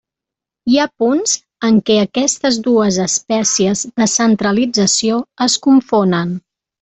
Hi ha punts en què aquestes dues espècies de centralització es confonen.